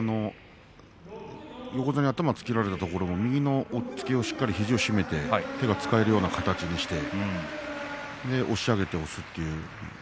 横綱に頭をつけられたところも右の押っつけでしっかりと肘を締めて手が使えるような形にして押し上げて押す。